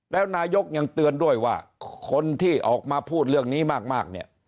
แล้วนายกยังเตือนด้วยว่าคนที่ออกมาพูดเรื่องนี้มากเนี่ย